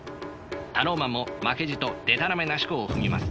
タローマンも負けじとでたらめなしこを踏みます。